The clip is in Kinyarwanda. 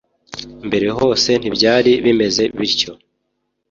mbere hose ntibyari bimeze bityo